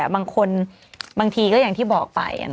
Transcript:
บางทีก็อย่างที่บอกไป